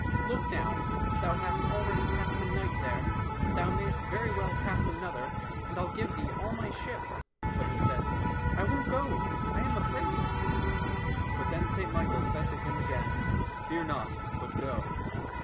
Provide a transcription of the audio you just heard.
Look now, thou hast already passed a night there, thou mayst very well pass another, and I'll give thee all my ship." — But he said, " I won't go, I am afraid." — But then St Michael said to him again, " Fear not, but go